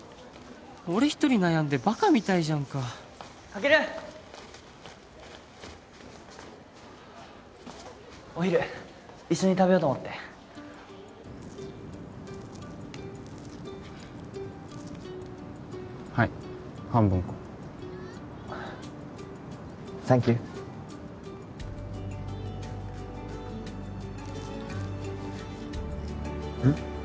俺一人悩んでバカみたいじゃんかカケルお昼一緒に食べようと思ってはい半分こサンキュうん？